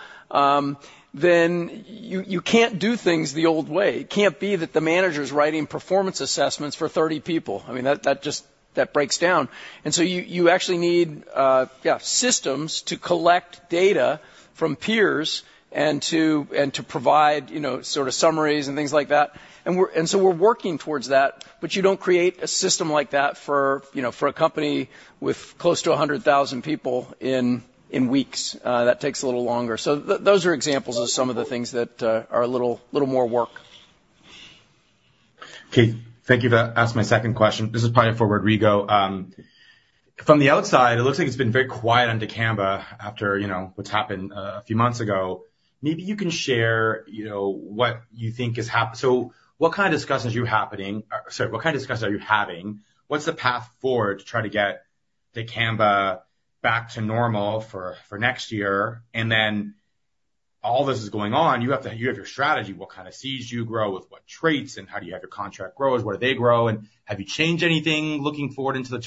then you can't do things the old way. It can't be that the manager's writing performance assessments for 30 people. I mean, that just breaks down. And so you actually need systems to collect data from peers and to provide, you know, sort of summaries and things like that. And so we're working towards that, but you don't create a system like that for, you know, for a company with close to 100,000 people in weeks. That takes a little longer. So those are examples of some of the things that are a little more work.
Okay. Thank you for that. Ask my second question. This is probably for Rodrigo. From the outside, it looks like it's been very quiet on dicamba after, you know, what's happened a few months ago. Maybe you can share, you know, so what kind of discussions are you happening? Sorry, what kind of discussions are you having? What's the path forward to try to get dicamba back to normal for next year? And then all this is going on, you have your strategy, what kind of seeds you grow, with what traits, and how do you have your contract growers, where do they grow, and have you changed anything looking forward into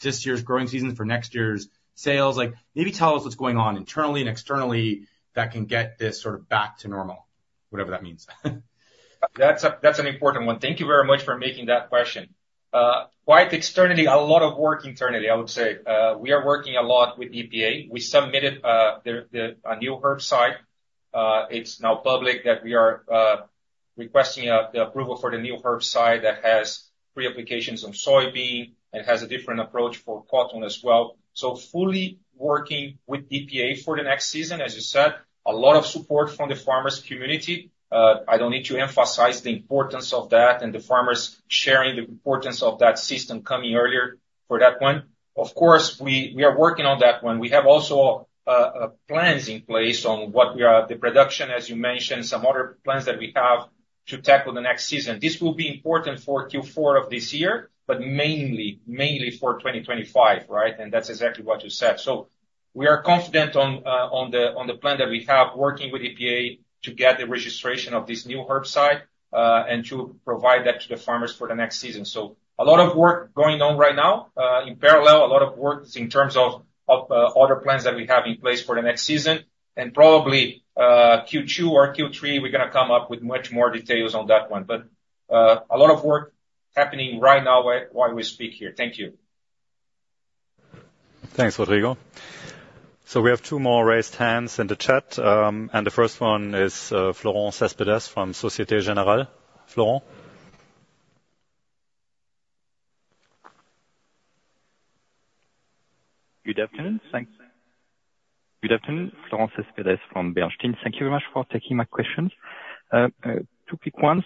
this year's growing season for next year's sales? Like, maybe tell us what's going on internally and externally that can get this sort of back to normal, whatever that means?
That's an important one. Thank you very much for making that question. Quite externally, a lot of work internally, I would say. We are working a lot with EPA. We submitted the, a new herbicide. It's now public that we are requesting the approval for the new herbicide that has pre-applications on soybean and has a different approach for cotton as well. So fully working with EPA for the next season, as you said, a lot of support from the farmers community. I don't need to emphasize the importance of that and the farmers sharing the importance of that system coming earlier for that one. Of course, we are working on that one. We have also plans in place on what we are, the production, as you mentioned, some other plans that we have-... to tackle the next season. This will be important for Q4 of this year, but mainly, mainly for 2025, right? And that's exactly what you said. So we are confident on the plan that we have working with EPA to get the registration of this new herbicide and to provide that to the farmers for the next season. So a lot of work going on right now. In parallel, a lot of work in terms of other plans that we have in place for the next season. And probably Q2 or Q3, we're gonna come up with much more details on that one. But a lot of work happening right now while we speak here.
Thank you.
Thanks, Rodrigo. So we have two more raised hands in the chat, and the first one is Florent Cespedes from Société Générale. Florent?
Good afternoon. Thanks. Good afternoon, Florent Cespedes from Bernstein. Thank you very much for taking my questions. Two quick ones.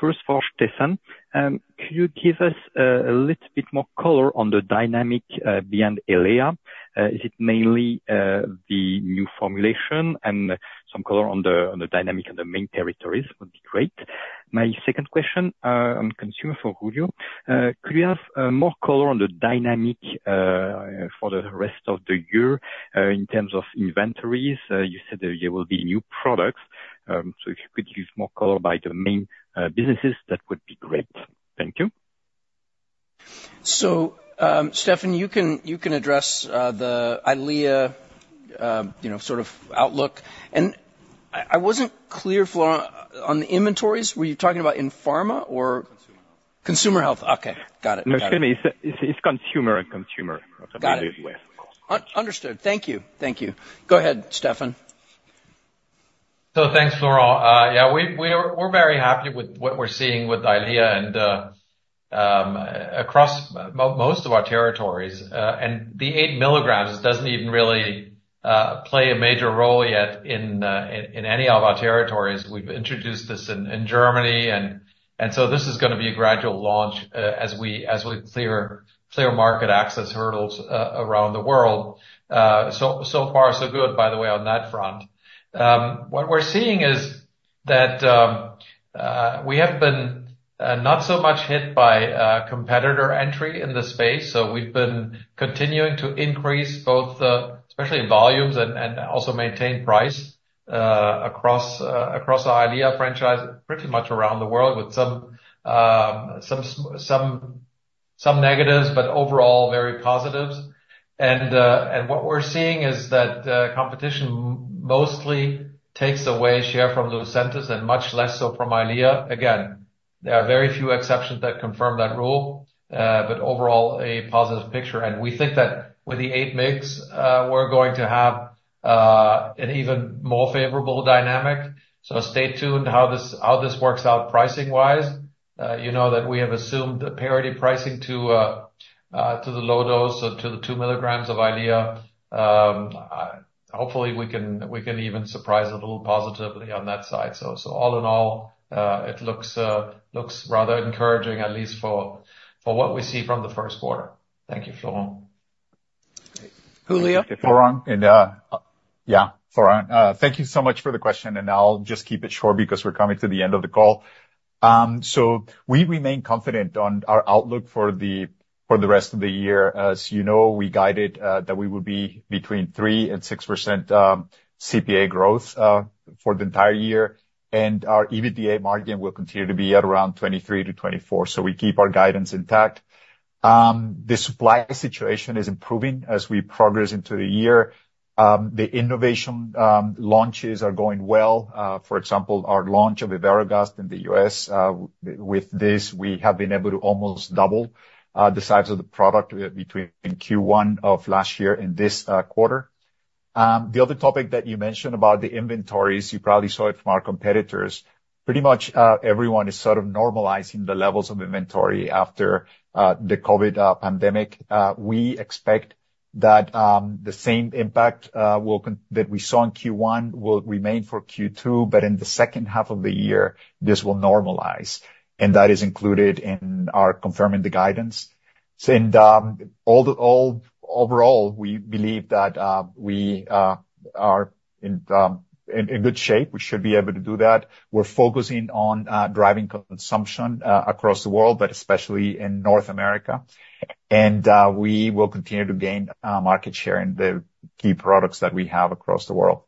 First for Stefan: Could you give us a little bit more color on the dynamic behind Eylea? Is it mainly the new formulation, and some color on the dynamic and the main territories would be great. My second question, on consumer for Julio: Could we have more color on the dynamic for the rest of the year, in terms of inventories? You said that there will be new products, so if you could give more color by the main businesses, that would be great. Thank you.
So, Stefan, you can, you can address the Eylea, you know, sort of outlook. And I wasn't clear, Florent, on the inventories. Were you talking about in Pharma or-
Consumer health.
Consumer Health. Okay, got it.
No, sorry, it's consumer and consumer.
Got it.
Of course.
Understood. Thank you. Thank you. Go ahead, Stefan.
So thanks, Florent. Yeah, we're very happy with what we're seeing with Eylea, and across most of our territories, and the 8 milligrams doesn't even really play a major role yet in any of our territories. We've introduced this in Germany, and so this is gonna be a gradual launch, as we clear market access hurdles around the world. So far, so good, by the way, on that front. What we're seeing is that we have been not so much hit by competitor entry in the space, so we've been continuing to increase both, especially in volumes and also maintain price across our Eylea franchise pretty much around the world with some negatives, but overall, very positives. And what we're seeing is that competition mostly takes away share from Lucentis and much less so from Eylea. Again, there are very few exceptions that confirm that rule, but overall, a positive picture. And we think that with the 8 mg, we're going to have an even more favorable dynamic. So stay tuned how this works out pricing-wise. You know that we have assumed a parity pricing to the low dose or to the 2 milligrams of Eylea. Hopefully, we can even surprise a little positively on that side. So all in all, it looks rather encouraging, at least for what we see from the first quarter. Thank you, Florent.
Julio?
Thank you, Florent. Yeah, Florent, thank you so much for the question, and I'll just keep it short because we're coming to the end of the call. So we remain confident on our outlook for the, for the rest of the year. As you know, we guided that we would be between 3%-6% c.p.a. growth for the entire year, and our EBITDA margin will continue to be at around 23%-24%. So we keep our guidance intact. The supply situation is improving as we progress into the year. The innovation launches are going well. For example, our launch of Iberogast in the U.S., with this, we have been able to almost double the size of the product between Q1 of last year and this quarter. The other topic that you mentioned about the inventories, you probably saw it from our competitors. Pretty much, everyone is sort of normalizing the levels of inventory after the COVID pandemic. We expect that the same impact that we saw in Q1 will remain for Q2, but in the second half of the year, this will normalize, and that is included in our confirming the guidance. Overall, we believe that we are in good shape. We should be able to do that. We're focusing on driving consumption across the world, but especially in North America. We will continue to gain market share in the key products that we have across the world.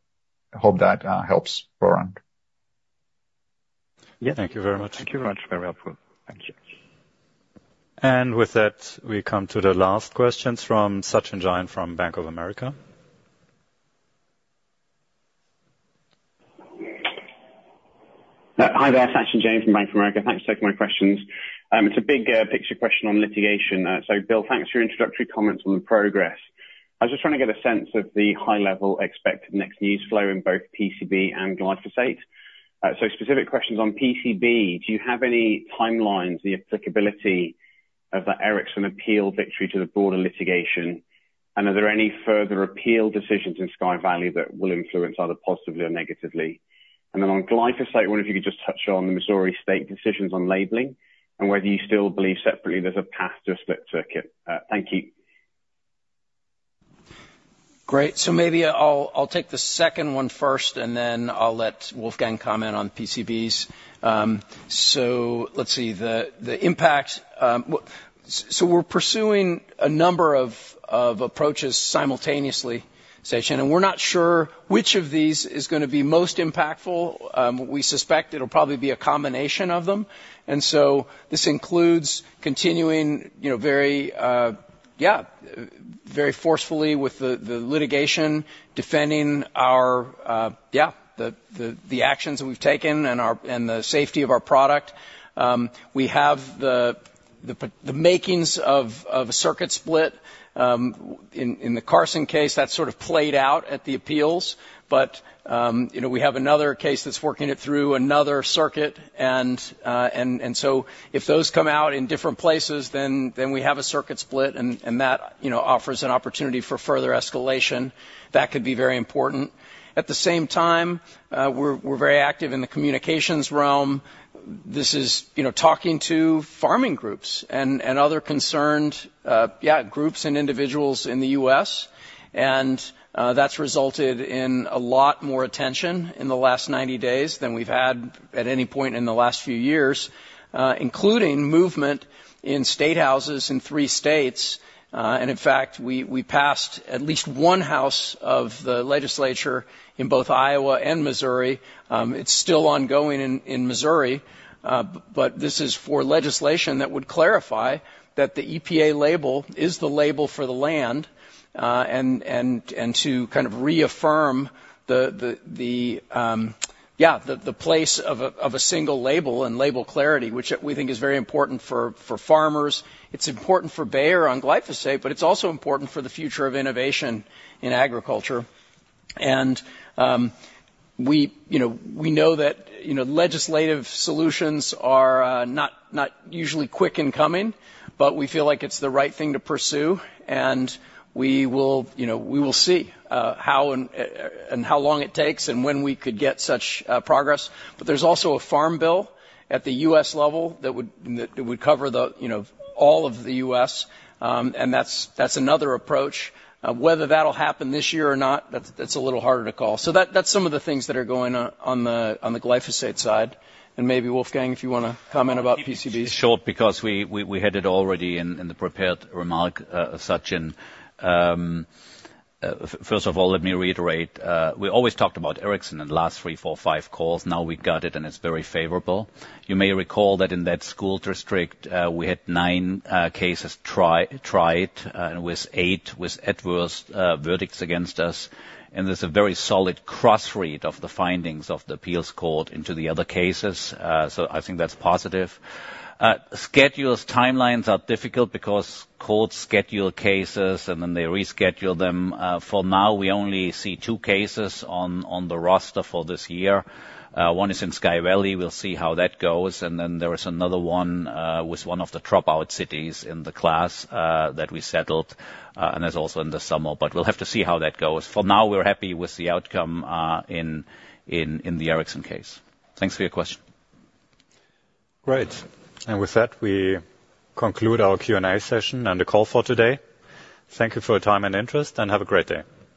I hope that helps, Florent.
Yeah, thank you very much.
Thank you very much.
Very helpful. Thank you.
With that, we come to the last questions from Sachin Jain from Bank of America.
Hi there, Sachin Jain from Bank of America. Thanks for taking my questions. It's a big picture question on litigation. So Bill, thanks for your introductory comments on the progress. I was just trying to get a sense of the high-level expected next news flow in both PCB and glyphosate. So specific questions on PCB: Do you have any timelines, the applicability of the Erickson appeal victory to the broader litigation? And are there any further appeal decisions in Sky Valley that will influence either positively or negatively? And then on glyphosate, I wonder if you could just touch on the Missouri state decisions on labeling and whether you still believe separately there's a path to a split circuit. Thank you. ...
Great. So maybe I'll take the second one first, and then I'll let Wolfgang comment on PCBs. So let's see, the impact, so we're pursuing a number of approaches simultaneously, Sachin, and we're not sure which of these is gonna be most impactful. We suspect it'll probably be a combination of them. And so this includes continuing, you know, very forcefully with the litigation, defending our the actions that we've taken and our and the safety of our product. We have the makings of a circuit split in the Carson case that sort of played out at the appeals. But, you know, we have another case that's working it through another circuit, and so if those come out in different places, then we have a circuit split, and that, you know, offers an opportunity for further escalation. That could be very important. At the same time, we're very active in the communications realm. This is, you know, talking to farming groups and other concerned groups and individuals in the U.S. And that's resulted in a lot more attention in the last 90 days than we've had at any point in the last few years, including movement in state Houses in three states. And in fact, we passed at least one House of the legislature in both Iowa and Missouri. It's still ongoing in Missouri, but this is for legislation that would clarify that the EPA label is the label for the land, and to kind of reaffirm the place of a single label and label clarity, which we think is very important for farmers. It's important for Bayer on glyphosate, but it's also important for the future of innovation in agriculture. We know that legislative solutions are not usually quick in coming, but we feel like it's the right thing to pursue, and we will see how and how long it takes and when we could get such progress. But there's also a Farm Bill at the U.S. level that would, that would cover the, you know, all of the U.S., and that's, that's another approach. Whether that'll happen this year or not, that's, that's a little harder to call. So that's some of the things that are going on, on the, on the glyphosate side. And maybe, Wolfgang, if you wanna comment about PCBs?
Keep it short because we had it already in the prepared remark, Sachin. First of all, let me reiterate, we always talked about Erickson in the last three, four, five calls. Now we got it, and it's very favorable. You may recall that in that school district, we had nine cases tried, and eight with adverse verdicts against us. And there's a very solid cross-read of the findings of the appeals court into the other cases. So I think that's positive. Schedules, timelines are difficult because courts schedule cases, and then they reschedule them. For now, we only see two cases on the roster for this year. One is in Sky Valley. We'll see how that goes. And then there is another one, with one of the dropout cities in the class, that we settled, and is also in the summer. But we'll have to see how that goes. For now, we're happy with the outcome, in the Erickson case. Thanks for your question.
Great. And with that, we conclude our Q&A session and the call for today. Thank you for your time and interest, and have a great day.